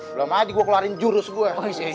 belum aja gue keluarin jurus gue